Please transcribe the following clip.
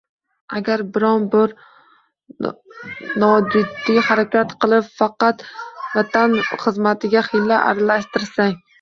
Agar bir bor nojiddiy harakat qilib, vatan xizmatiga hiyla aralashtirsang